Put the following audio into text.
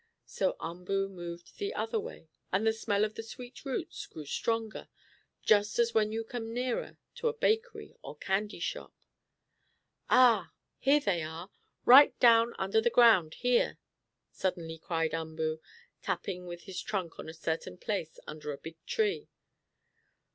So Umboo moved the other way, and the smell of the sweet roots grew stronger, just as when you come nearer to a bakery or candy shop. "Ah! Here they are! Right down under the ground, here!" suddenly cried Umboo, tapping with his trunk on a certain place under a big tree.